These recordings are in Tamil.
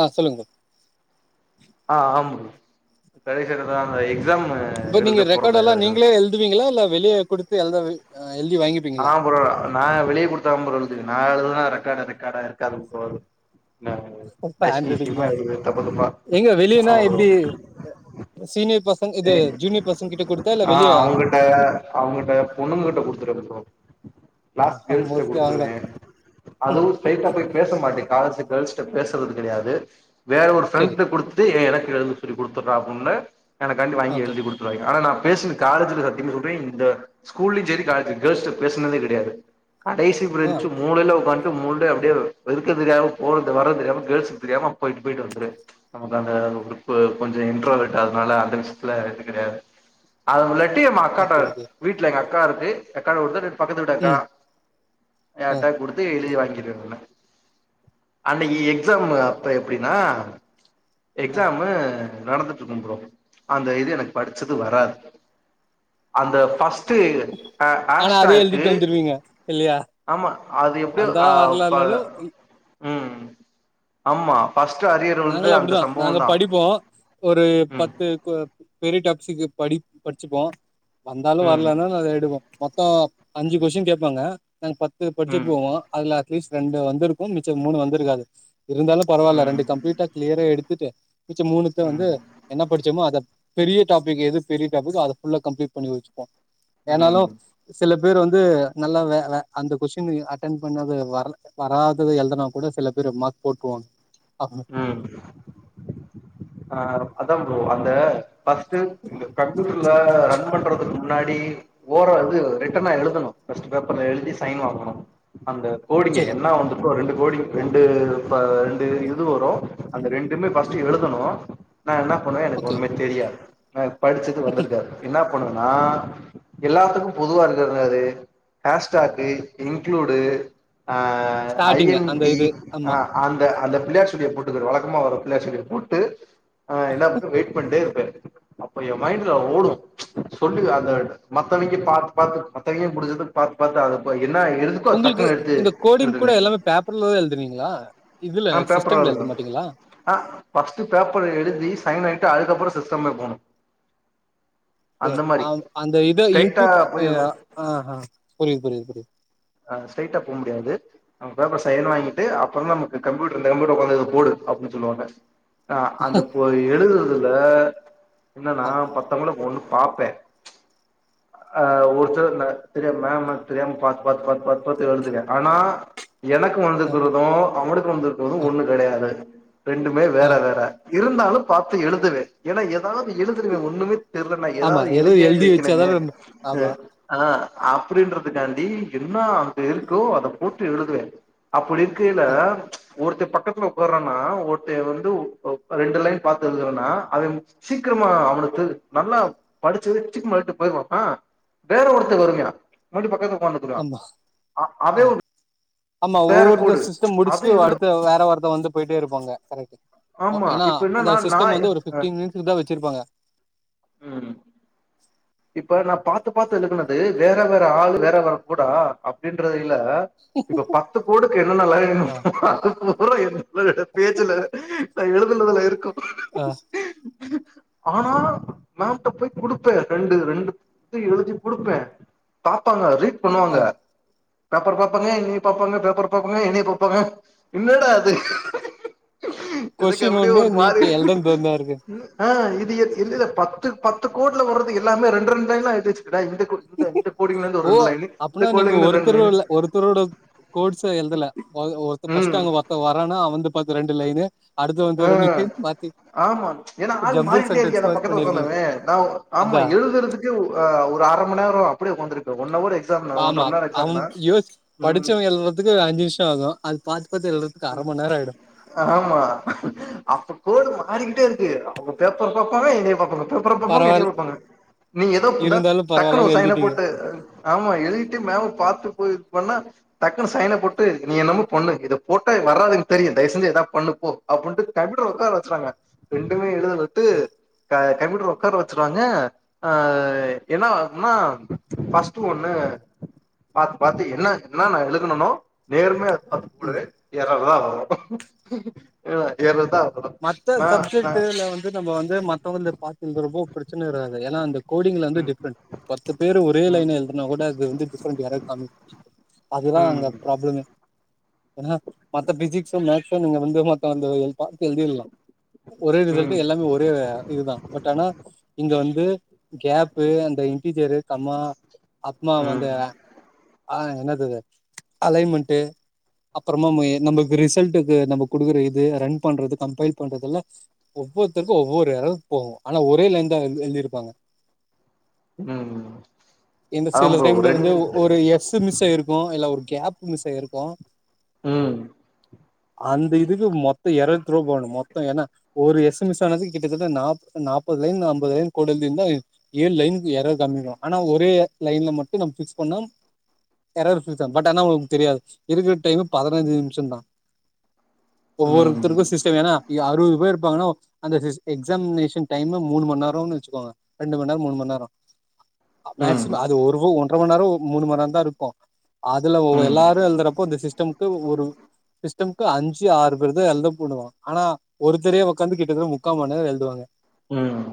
ஆ சொல்லுங்க தோழி ஆ ஆமாங் கடைசி எக்ஸாம் எக்ஸாமு இ நீங்க ரெக்கார்ட் எல்லாம் நீங்களே எழுதுவீங்களா இல்லா வெளியே குடுத்து எழுத எழுதி வாங்கி ஆ ப்ரோ நா வெளிய குடுத்து தா ப்ரோ எழுதுவ நா எழுதுனா ரெக்கார்ட்டு ரெக்கார்டா இருக்காது ப்ரோ ந அ இப்ப ஹேண்ட் அசிங்க ரைட்டிங்ல அசிங்கமா எழுதுவ தப்பு தப்பா எங்க வெளியனா ஆ எப்டி வரும் சீனியர் பச ஆ அவங்கிட்ட அவங்கிட்ட பொண்ணு கிட்ட குடுத்துரு ப்ரோ கிளாஸ் கேல்ஸிட்ட மோஸ்ட்லி அவங்கதா குடுத்துருவேன் அவளும் போய் ஸ்ட்ராய்ட்டா போய் பேச மாட்டிக்குறா பாய்ஸ் கேர்ள்ஸ் கிட்ட பேசுறது கிடையாது வேற ஒரு ஃபிரெண்டு சரி கிட்ட குடுத்து த்து எனக்கு எழுதி சொல்லி கொடுத்துறா அப்டின்னு எனக்காண்டி வாங்கி ஓகே எழுதி குடுத் துருவா ஆனா நான் பேசின காலேஜ்ல சத்தியம் சொல்றேன் இந்த ஸ்கூல்லயும் சரி காலேஜ் கேர்ள்ஸ் கிட்ட பேசினதே கிடையாது கடைசி ஆ பிரஞ்சு மூளைல உக்காந்துட்டு மூலையா அப்டியே இருக்க தெரியாம போறது வரது தெரியாம கேர்ள்ஸ்சுக்கு தெரியாம போயிட்டு போயிட்டு வந்துருவ நமக்கு அந்த குப்பு கொஞ்சம் இன்ட்ரோ விட்ட அதனால இந்த விஷயத்துல எத்துக்கிடையாது அதுலட்டிமா அக்காட்ட ஓகே ஓகே வீட்ல எங்க அக்கா இருக்கு அக்காட்ட குடுப்ப இல்லாட்டி பக்கத்து விட்டக்கா ம் ஆ யார்ட்டயாது குடுத்து எழுதி வாங்கிருவ முன்ன அன்னிக்கி எக்ஸாம் அப்ப எப்டின்னா ஆ எக்ஸாமு நடந்துட்டு இருக்கும் ப்ரோ அந்த இது எனக்கு படிச்சது வராது அந்த பஸ் ட்டு ஆனா அதே ஆஸ்டாக்கு எழுதிட்டு வந்துருவீங்க இல்லையா ஆமா அது எப்டியோ வந்தா ஆ ப வரலனாலு ம் ஆமா பஸ்ட் அரியர் வந்து நாங்களாம் அந்த அப்டித்தான் நாங்க சம்பவம் தான் படிப்போம் ஒரு ம் பத்து கோ பெரிய டாப்பிக்ஸ படிப் படிச்சுப்போம் வந்தாலும் ம் வரலன்னாலும் அத எடுவோம் மொத்தம் அஞ்சு கொஸ்டின் கேட்பாங்க நாங்க பத்து படிச்சுட்டு ம் போவோம் அதுல அட்லீஸ்ட் ரெண்டு வந்திருக்கும் மிச்சம் மூணு வந்திருக்காது இருந்தாலும் பரவாயில்ல ம் ரெண்டு கம்பிட்டா கிளியரா எடுத்துட்டு மிச்ச மூணுத்தயும் வந்து ம் என்ன படிச்சோமோ அதை பெரிய டாப்பிக் எது பெரியடாபிகோ அத ஃபுல்லா கம்ப்ளீட் பண்ணி வச்சுப்போம் ம் ஏனாலும் சில பேர் வந்து நல்லா வே அந்த கொஸ்டின் அட்டன் பண்ணது வரல வராதது எழுதுனா கூட சில பேர் மாக் போட்ருவாங்க ஆமா ம் ஆ அதான் ஃப்ரோ அந்த பஸ்ட் இந்த கம்யூட்டர்ல ரன் பண்றதுக்கு முன்னாடி ஓர இது ரிட்டனா எழுதணும் பஸ்ட் பேப்பர்ல எழுதி சைன் வாங்கணும் அந்த கோடிங்க செரி என்ன வந்துட்டோ ரெண்டு கோடி ரெண்டு ரெண்டு இது து வரும் அந்த ரெண்டுமே பஸ்ட்டு எழுதணும் நான் என்ன பண்ணுவேன் எனக்கு ஓகே ஒண்ணுமே தெரியாது நா படிச்சது வந்திருக்காது என்ன பண்ணுவனா எல்லாத்துக்கும் பொதுவா இருக்கறவங்க யாரு ஹேஸ்டாக்கு இன்க்ளூடு அ ஐ ஸ்டார்டிங்கு என் அந்த டி இது ஆமா அ அந்த அந்த பிள்ளையார் சுழியை போட்டுக்க வழக்கமா வர பிள்ளையார்ச்சுழிய போட்டு ஆ என்னா பண்ணும் வெயிட் பண்ணிட்டே இருப்பேன் அப்போ என் மைண்ட்ல ஓடும் சொல்லி அந்த மத்தவங்க பாத்து பாத்து மத்தவங்க முடிஞ்சத பாத்து பாத்து அது என்ன எழுது உங்களுக்கு இந்த கோடிங் கூட எல்லாமே பேப்பர்லதான் எழுதுவீங்களா இதுல பேப்பர்ல சிஸ்டம்ல தான் எழுத எழுதுவேன் மாட்டீங்களா ஆ பஸ்ட்டு பேப்பர்ல எழுதி சைன் வாங்கிட்டு அதுக்கப்பறம் சிஸ்டம்ல போணும் த அ அ அந்த இத ஸ்ட்ரைட்டா இன்புட் ஆ போய் எது ஆஹா புரியுது புரியுது புரியுது அ ஸ்ட்ரைட்டா போ முடியாது நமக்கு பேப்பர் சைன் வாங்கிட்டு அப்றம் தான் நமக்கு கம்ப்யூட்டர் இந்த கம்யூட்டர் ஒக்காந்து போடு அப்டினு சொல்லுவாங்க ஆ அந்தப்ப எடுக்கதுறதுல என்னன்னா ஆ ப கூட ஒண்ணு பாப்பேன் ஹா ஒரு சில தெரிய மேம் மாறி தெரியாம பாத்த பாத் பாத் பாத் பாத்து எழுதுவே ஆனா எனக்கு ஆ வந்தக்குறதும் அவனுக்கு வந்தக்குறதும் ஆ ஒண்ணு கடையாது ரெண்டுமே ஆ. வேற வேற இருந்தாலும் பாத்து எழுதுவே ஏன்னா ஏதாவது எழுதுவேன் ஒண்ணுமே தெரலனா ஆமா ஏதாது ஏதோ எழுதியாது எழுதி வக்கணுமே வச்சாதான நம்ம ஆமா அ அ அப்டின்றதுக்காண்டி என்ன அங்க இருக்கோ அத போட்டு எழுதுவேன் அப்டின்னு கீழ ஆ, ஒருத்த பக்கத்துல உக்காரனா ஒருத்த வந்து ஒ ரெண்டு லைன் பாத்து எழுதுறனா அத சீக்கிரமா அவனுக்கு நல்லா படிச்சுது சீக்கிரோ மறந்து போய்ரு வேற ஒருத்தன் வருவியான் மறுபடி பக்கத்து ஒக்காந்துகுவான் ஆமா அவ ஆ ஆமா ஒவ்வொருத்த சிஸ்டம் அது முடிச்சுட்டு இது அடுத்து வேற ஒருத்த வந்து போயிட்டே இருப்பாங்க கரெக்ட் ஆமா ஏன்னா இப்ப அந்த என்னன்னா நா சிஸ்டம் வந்து ஒரு பிப்டீன் மினிட்ஸ்க்கு தா வச்சுருப்பாங்க ம் இப்ப நான் பாத்து பாத்து எழுதுனது வேற வேற ஆள் வேற வேற கூடா இன்றையில இப்ப பத்து கோடுக்கு என்னன்ன லைனு ஆ அது கூட என்றயீல இல்லல்ல பேச்சுல நா எழுதனுதுல இருக்கு ஆ ஆ மேம்ட்ட போய் குடுப்ப ரெண்டு ரெண்டு எழுதி குடுப்பேன் பாப்பாங்க ரீட் ஆ பண்ணுவாங்க பேப்பர் பாப்பாங்க என்னய பாப்பாங்க பேப்பர் பாப்பாங்க என்னய பாப்பாங்க என்னடா இது எனக்கு கொஸ்டின் அப்டியே ஒண்ணு ஒரு நீ மாறி ஆயி எழுதன்து ஒண்ணா இருக்கு ஆ இது இஇல்லல்ல பத்து பத்து கோட்ல வறது எல்லாமே ரெண்டு ரெண்டு லைனா எழுதி வச்சுகுடா ஓ அப்பனா நீங்க இருந்து ரெண்டு லைனு ஒருத்தருல்ல ஒருத்தரோட கோட்ஸ்சும் எழுதல ஒருத்த பஸ்ட் ம் அங்க ஒருத்த வரன்னா அவ வந்து பாத்து ரெண்டு லைனு அடுத்து வந்து ரெண்டு ஆ லைனு மாத்தி ஆமா ஏன்னா ஆள் ஜம்பிள் மாறிட்டே இருக்கே சென்டன்ஸ் அத மாரி பக்கத்து பண்ணிருக்கீங்க ஒக்காந்தவன் நா ஆமா அதா எழுதுறது ஒரு அர மண் நேரம் அப்டியே உக்காந்துரு ஒன் ஹவர் எக்ஸாம்னா ஒன்ற ஆமா மண்நேரம் எக்ஸாம்னா உம் அதுக்கு அஞ்சு நிமிசம் ஆகும் அத பாத்து பாத்து எழுதுறத்துக்கு அர மண் நேரம் ஆயிடும் ஆமா அப்ப கோடு மாறிக்கிட்டே இருக்கு அவங்க பேப்பர் பாப்பாங்க என்னய பாப்பாங்க பேப்பர் பாப்பாங்க என்னய பரவால்ல பாப்பாங்க பேப்பரக நீ ஏத இதா இருந்தாலு டக்குனு பரவால்லனு சைன எழுதிட்டீங்க போட்டு ஆமா எழுதிட்டு மேம்மு பாத்து போய் சொன்னா டக்குன்னு சைன போட்டு நீ என்னமோ பண்ணு இத போட்டா வர்ராதுன்னு தெரியும் தயவு செச்சு எதாது பண்ணுப்போ அப்டின்ட்டு டக்கனு ஓக்கார வச்சுருவாங்க ரெண்டுமே எழுதல ஆ கம்யூட்டர்ல ஓக்கார வச்சுருவாங்க ஆ என்ன இன்னா பஸ்ட்டு ஒண்ணு பாத்து பாத்து என்ன என்னன்ன எழுதுனனோ நேர்மயா அப்போ ம் எறறுதா வரும் எறறுதா மத்த சப்ஜெக்டுல வந்து நம்ம வந்து மத்தவங்கள்து பாத்து எழுதறப்போ பிரச்சன வராது ஏன்னா அந்த கோடிங்ல வந்து ம் டிஃப்ரெண்ட் பத்து பேர் ஒரே லைன்ல எழுதுனா கூட அது வந்து டிஃப்ரெண்ட் ஏறர் காமிக்காது அதுதா ம் அங்க ளமே ஏன மத்த டிஸிட்ஸ் மேஸங்க வந்து மத்த வ எப் எழுதிலா ஒரே ம் ம் ரிசல்ட்டு எல்லாமே ஒரே இதுதா பட் ஆனா இங்க வந்து கப்பு அந்த இன்டீரரு ஆமாஅப்மா வந்து ம் அ என்னது இது அலைமன்ட்டு அப்புறமா நம்மக்கு ரிசல்ட்டுக்கு நம்ம குடுக்குற இது ரன் பண்றது கம்பைல் பண்றதுல்ல ஒவ்வொருத்தருக்கு ஒவ்வொரு அளவு போகு ஆனா ஒரே லைன்னுதா எழ்திருப்பாங்க ம் இந்த ஆம் சில ப்ரோ டைம்ல வந்து ரெண்டு ஒரு எஸ் மிஸ் ஆயிருக் இருக்குமக்ஷ இல்ல ஒரு கேப் மிஸ் ஆயிருக்கு ம் அந்த இதுக்கு மொத்தோ இரனுத்ரூபா போடணு மொத்தோ ஏனா ஒரு எஸ்ஸன்எஸ் ஆனதுக்கு கிட்டத்தட்ட நா நாப்பது லைன் அம்பது லைன் கோன்டு இருந்தா ஏழு லைன்னுக்கு எரர் காமிக்கு ஆனா ஒரே லைன்ல மட்டு நம்ம ஃபிக்ஸ் பண்ண எரர் பிரிஸ்தா பட் ஆனா உங்களுக்கு தெரியாது இருக்கிற டைம் பதினச்சு நிமிஷந்தா ஒவ்வொரு ம் முடிச்சுட்டேங்கனா அறுவது பேர் இருப்பாங்கன்னா அந்த எக்ஸாமினேஷன் டைம் மூணு மண் நேரோன் வச்சுக்கோங்க ரெண்டு மண் நேரோ மூணு மண் நேரோ ம் மக்சிம அது ஒரு ஒன்றரை மண் நேரோ மூணு மண் நேரோ தா இருக்கு அதுல ம் எல்லாரு எழுதுறப்போ இந்த சிஸ்டம்க்கு ஒரு சிஸ்டம்க்கு அஞ்சு ஆறு பேர்தா எழுத பண்ணுவோ ஆனா ஒருத்தரே உக்காந்து கிட்டத்தட்ட முக்கா மண்ரேரோ எழுதுவாங்க ம்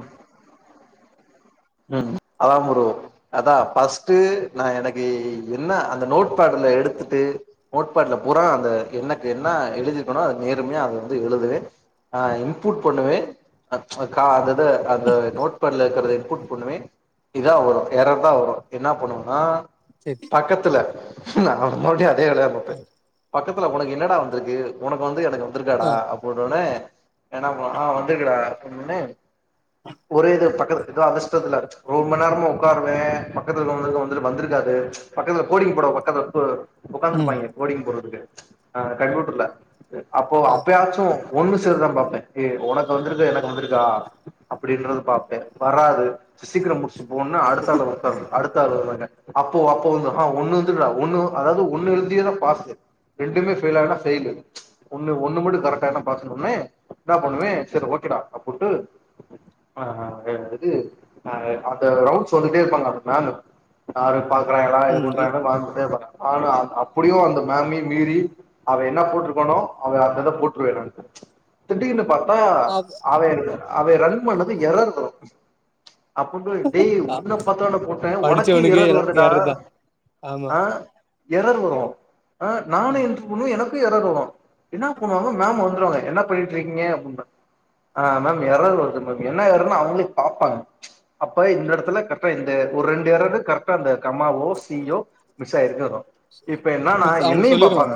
ம் அதா ப்ரோ அதா ஃபஸ்ட்டு நா எனக்கு என்ன அந்த நோட்பட்ல எடுத்துட்டு நோட்பட்ல பூரா அந்த என்ன என்ன எழுதிருக்கனோ அத நேர்மையா அத வந்து எழுதுற ஆ இன்புட் பண்ணுவே கா அந்தத அந்த நோட்பேட்ல இருக்கறத இன்புட் பண்ணுவே இதா வரு எரர்தா வரு என்ன பண்ணுவனா சேரி பக்கத்துல நா மறுபடியு அதே வேலயதா ஆ பாப்பே த்துல உனக்கு என்னடா வந்திருக்கு உனக்கு வந்து எனக்கு வந்துருக்காடா ஆ அப் போட்டோனே ஏனா ஆ வந்துருக்குடா அப்டினோன்னே ஒரே இது பக்கத்து ஏதோ அந்த ஸிஸ்டத்துல ஒரு மணி நேரமா உக்காந்து உக்காருவே பக்கத்துல உள்ளவங்களுக்கு வந்து வந்துருக்காது பக்கத்துல போடிங் போட ப பக்கத்துல ம் உக்காந்துருப்பாங்க போடிங் போட்றதுங்கு அ கம்ப்யூட்டருல அப்போ ஆ அப்பயாச்சு ஒண்ணு சேரு தான் பாப்பே ஏ உனக்கு வந்துருக்கு எனக்கு வந்திருக்கா அப்டின்றது பாப்பே வராது சீக்கிரோ முடிச்சுட்டு போன்னா அடுத்தாள உக்காற அடுத்த ஆள் வருவாங்க அப்போ அப்போ வந்து ஒன்னு வந்துர்க்டா ஒன்னு அதாது ஒன்னு எழுதிட்டினா பாசு ரெண்டுமே ஃபெயிலானா ஃபெயிலு ஒன்னு ஒன்னு மட்டு கரெக்டானா பாஸ்னோன்னே என்ன பன்வே சரி ஓகேடா அப்புன்ட்டு ஆ ஆ இது ஆ அந்த ரவுண்ட்ஸ் வந்தட்டே இருப்பாங்க அந்த மமு யாரு பாக்றாங்லா இது ம் இ பண்றாங்ளா பாத்துகிட்டே இருப்ப ஆனா அப்டியு அந்த மமியு மீறி அவ என்ன போட்ருக்கானோ அவ அந்த இத போட்ருவே நானு திடீர்னு பா தா ஆ அவ அவ ரன் பன்னது எரர் ப்ரோ அப்பன்டு டேய் ஆ ஒன்ன பாத்தாண்டா போட்ட ஒனக்கே படிச்சவனுக்கே ஏரர் எ வருதடா எரர் தா ஆமா எரர் வரு ஆ நானுன்ற ஒன்னு எனக்கு எரர் வரு என்னா பண்ணுவாங்க மேம் வந்துர்வாங்க என்ன பன்னீட்ருக்கீங்க அப்டிம்பா ஆ மேம் எறர் வருது பாத்திங்கனா மேம் என்னா எறன்ன அவுங்ளே பாப்பாங்க அப்ப இந்த எடத்துல கரெக்டா இந்த ஒரு ரெண்டு எரர்ரூ கரெக்டா அந்த கமாவோ சீயோ மிஸ் ஆயிருக்கு அதா இப்ப என்னன்னா மிக்ஸ் அவுங்க என்னையு சொல்லிருவாங்க பாப்பாங்க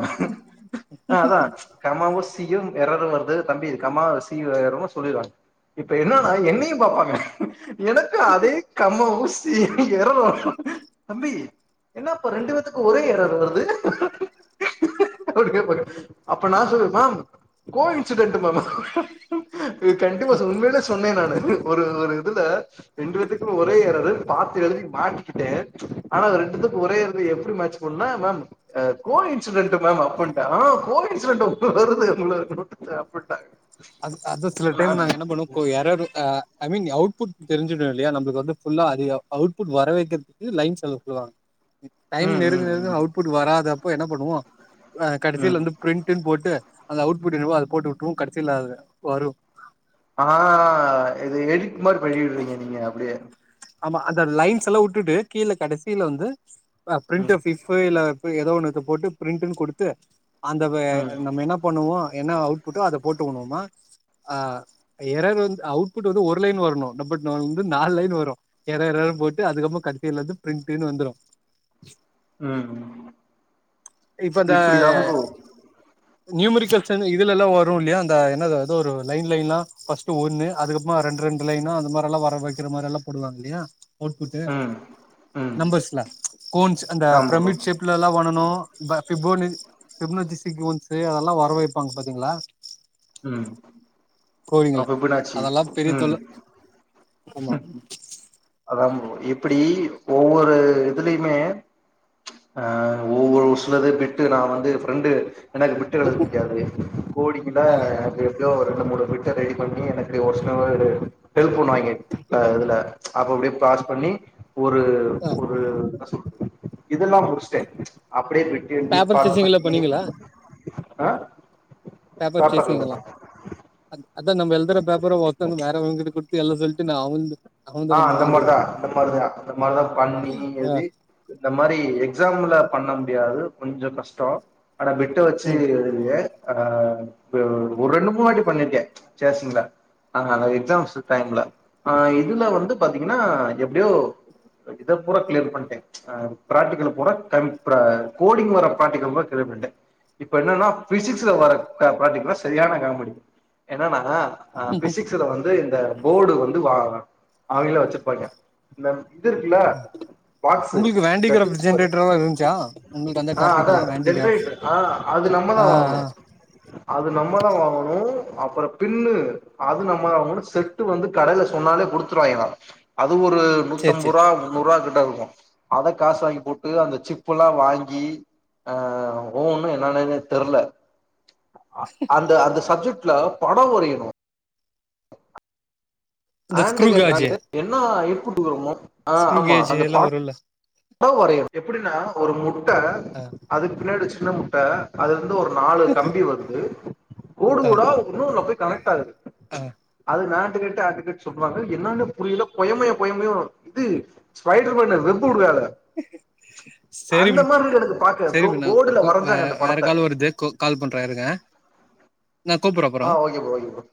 ஆ அதா கமாவு சீயு எறரூ வருது தம்பி இது கமா சீ வரூ சொல்றாங்க இப்ப என்னன்னா என்னையு பாப்பாங்க எனக்கு அதே கம்மாவூ சி யூ எறர் வரு தம்பி என்னப்பா ரெண்டு பேத்துக்கு ஒரே ஏறர் வருது அப்டிகேப்பாரு அப்ப நா சொல்லுவ மேம் கோ இன்சிடென்ட் மேம் இத கண்டிப்பா சொன் உண்மைல சொன்னே நானு ஒரு ஒரு இதுல ரெண்டு பேத்துக்கு ஒரே ஏறரு பாத்து எழுதி மாட்டிக்கிட்டே ஆனா ரெண்டுதுக்கு ஒரே ஏறரு எப்டி சொன்னா மேம் அ கோ இன்சிடென்ட் மேம் அப்டின்ட்டே ஆ கோ இன்சிடெட் வருது எல்லார்க்கு அப்டின்ட்டாங் அ அத சில டைம் நாங்க என்ன பன்னுவோ இப்போ எறர் வந்தா ஐ மீன் அவுட்புட் தெரிஞ்சிடு இல்லயா நம்ளுக்கு வந்து ஃபுல்லா அதுகப் அவுட்பட் வர வைக்கிறதுக்கு லைன்ஸ் எழுத சொல்வாங்க டைம் ம் நெருங்க ம் நெருங்க ம் அவ் அவுட்புட் வராதப்ப என்ன பண்ணுவோ அ ம் கடைசில வந்து பிரிண்ட் போட்டு அந்த அவுட்புட் என்னவோ அத போட்டு உட்ருவோ கடைசில அது வரு ஆ இது எடிட் மாரி பண்ணிடுறீங்க நீங்க அப்டியே ஆமா அந்த லைன்ஸ்ல்லா உட்டுட்டு கீழ கடைசில வந்து ம் பிரிண்ட்டு ஃப் இல்ல ஏதோ ஒன்னத்த போட்டு பிரிண்ட்னு குடுத்து அந்த வே ம் நம்ம என்னாப் பண்ணுவோ அங்க என்னா அவுட்பட்டோ அத போட்டுனுவோமா ஆ எறர் வந்து அவுட்புட் வந்து ஒரு லைன் வரனு பட் ந வந்து நாலு லைன் வரு எறர் எறர் போட்டு அதுக்கப்றோ கடைசில்லந்து பிரிண்ட்ன்னு வந்துரு ம் ம் இப்பிடிதா ப்ரோ நியூமிரிகல்ச இதுல்ல்லா வரு இல்லயா அந்த என்னத ஒரு லைன் லைன்லா ஃபஸ்ட் ஒன்னு அதுக்கப்றமா ரெண்டு ரெண்டு லைனா அந்த மாரில்லா வர வைக்கற மாரில்லா போடுவாங்க இல்லயா அவுட்புட்டு ம் ம் நம்பர்ஸ்ல கோன்ஸ் அந்த ஆமா ப்ரோ பிரமிட் ஷேப் அ இதலா பண்ணணு [unintelligible] டெப்னொசி சிக்வென்ஸு அதெல்லா வர வைப்பாங்க பாத்தீங்ளா ம் கோடீங்கல்லா அப்ப பினாச்சி அதெல்லா பெரிய ம் தொல்ல ஆமா அதா இப்டி ஒவ்வொரு இதுலயுமே ஆ ஒவ்வொரு ஒரு சிலது பிட்டு நா வந்து ஃபிரண்டு எனக்கு பிட் எழுத புடிக்காது கோடிங்கு ஆ அப்டி எப்டியோ ஒரு ரெண்டு மூணு பிட்ட ரெடி பன்னி எனக்கு ஒரு சில ஹெல்ப் பன்னுவாய்ங்க அ இதுல அப்ப அப்டியே பாஸ் பண்ணி ஒரு ஆ ஒரு என்ன சொல்றது இதெல்லா முடிச்சிட்டே அப்டியே பிட் பிட் பேப்பர் எழுதிபாஸ் சேசிங் எல்லா பண்ணி பண்ணீங்களா அ பேப்பர் சேசீங் இதெல்லா அ அதா நம்ம எழுதுர பேப்பர ஒத்தந்து வேற வங்களுக்கு கொடுத்து எழுத சொல்ட்டு நா அவுங் ஆ அத மட்டு அந்த மாரிதா அந்த மாரிதா பண்ணி ஆ எழுதி இந்த மாரி எக்ஸாம்ல பண்ண முடியாது கொஞ்சோ கஷ்டோ ஆனா பிட்ட வச்சு ம் எ ஏ ஆ ஒரு ரெண்டு மூணு வாட்டி பண்ணிருக்கே சேஷிங்ல ஆ அ எக்ஸாம்ஸ் டைம்ல ஆ இதுல வந்து பாத்தீங்கன்னா எப்டியோ இத பூரா கிளியர் பண்ட்டே அ ப்ராக்டிக்கல்ல பூரா கோடிங் வர பிராக்டிக்கல பூரா க்ளியர் பண்ணிட்டே இப்ப என்னன்னா பிசிக்ஸ்ல வர ப்ராஜக்ட்லா சரியான காமெடி என்னன்னா அ பிசிக்ஸ்ல வந்து இந்த போர்டு வந்து வா அவைங்கலே வச்சுருப்பாங்ங இந்த இதுருக்குல்ல பாக்சு உங்களுக்கு இந்த ஸ்விட்ச் வேண்டிகிராஃப்ட் மார் ஜென்ரேட்டர்லா இருந்துச்சா உங்களுக்கு அந்த ஆ டாபிக் அதா எல்லா வேண்டிகிராஃப்ட் ஜென்ரேட்டர் ஆ அது ஆ நம்மதா வரணு ஆ அது நம்ம தா வாங்கணு அப்பரோ பின்னு அது நம்ம தா வாங்கணு செட்டு வந்து கடையில சொன்னாலே குடுத் ருவாங்ஙளா அது ஒரு சேரி சேரி நூத்தம்பம்ப ரூவா முன்னூரூவா கிட்டருக்கூ அத காஸாக்கி போட்டு அந்த சிப்புல்லா வாங்கி ஆ ஒவ்வொன்னு என்னா என்னனே தெர்ல அ அந்த அந்த சப்ஜெக்ட்ல படோ வரயணு இந்த ஆன்டு ஸ்க்ரூ காஜு கேக்காலே என்னா இன்புட்டு வருமோ அ ஸ்க்ரூ ஆமா கேஜு அந்த எல்லா பட வருல்ல டோ வரையனு எப்டின்னா ஒரு முட்ட அ அதுக்கு பின்னாடி ஒரு சின்ன முட்ட அதுல இருந்து ஒரு நாலு கம்பி வருது கோடு ஆ கோடா உள்ளூள போய் கனெக்ட் ஆகுது ஆ அது நாட்டுக்கட்டு அட்டுக்கட்டு சொல்லுவாங்க என்னானே புரியில கொயமையோ கொயமையு இது ஸ்பைடர் மேண்ணு வெப்பு வுட்ராரே சரி அந்த ப்ரோ மார்ருக்கு எனக்கு பாக்க போடுல வரஞ்சாங்க அந்த படத்த து தே கோ கால் பண்றே இருங்க நா கூப்புறோ ஆ ஓகே ப்ரோ ஓகே ப்ரோ